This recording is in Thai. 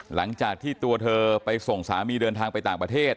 หลังจากที่ตัวเธอไปส่งสามีเดินทางไปต่างประเทศ